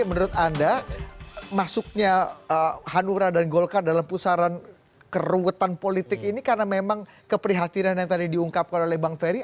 menurut anda masuknya hanura dan golkar dalam pusaran keruwetan politik ini karena memang keprihatinan yang tadi diungkapkan oleh bang ferry